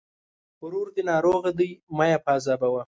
ورور دې ناروغه دی! مه يې پاذابوه.